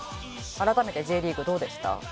改めてＪリーグどうでした？